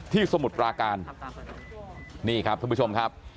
ที่สมุดปลาการนี่ครับทุกผู้ชมครับ